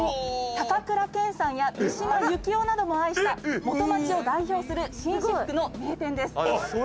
高倉健さんや三島由紀夫なども愛した元町を代表する紳士服の名店です。